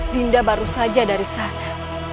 dinda baru saja dari sana